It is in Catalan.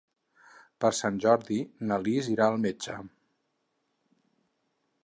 Per Sant Jordi na Lis irà al metge.